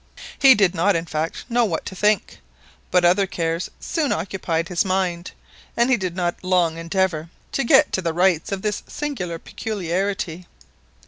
He did not in fact know what to think, but other cares soon occupied his mind, and he did not long endeavour to get to the rights of this singular peculiarity.